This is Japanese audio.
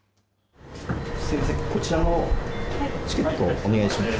すみません、こちらのチケット、お願いします。